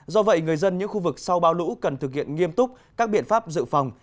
do vậy người dân những khu vực sau bão lũ cần thực hiện nghiêm túc các biện pháp dự phòng